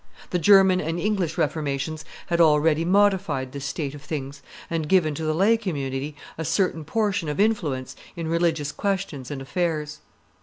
The German and English Reformations had already modified this state of things, and given to the lay community a certain portion of influence in religious questions and affairs.